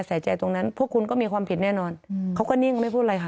ใส่ใจตรงนั้นพวกคุณก็มีความผิดแน่นอนเขาก็นิ่งไม่พูดอะไรค่ะ